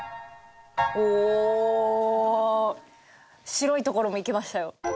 白いところもいけましたよ。